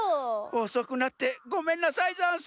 おそくなってごめんなさいざんす。